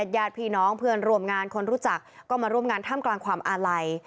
ญาติพี่น้องเพื่อนร่วมงานคนรู้จักก็มาร่วมงานท่ามกลางความอาลัย